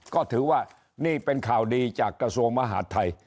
ก็ถือว่านี่เป็นข่าวดีจากกระทรวงมหาดไทย